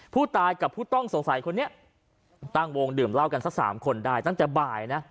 ผู้ตายกับผู้ต้องสงสัยคนนี้ตั้งวงดื่มเหล้ากันสักสามคนได้ตั้งแต่บ่ายนะ